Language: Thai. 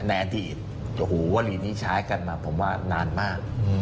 ในอดีตโอ้โหวลีนี้ใช้กันมาผมว่านานมาก